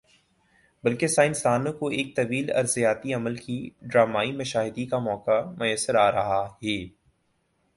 بلکہ سائنس دانوں کو ایک طویل ارضیاتی عمل کی ڈرامائی مشاہدی کا موقع میسر آرہا ہی۔